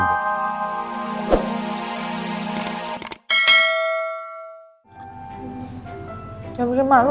jangan bersama lu